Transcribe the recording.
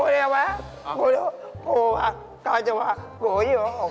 เยี่ยม